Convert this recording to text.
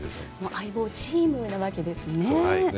「相棒」チームなわけですもんね。